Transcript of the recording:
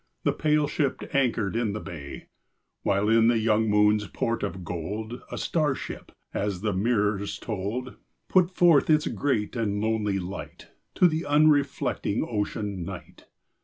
The pale ship anchored in the bay, While in the young moon's port of gold A star ship — as the mirrors told — Put forth its great and lonely light To the unreflecting Ocean, Night.